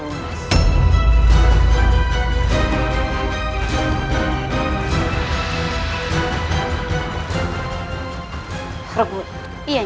kau ingin saya tak lupakan